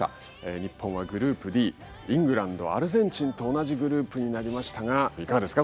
日本はグループＤイングランドアルゼンチンと同じグループになりましたがいかがですか？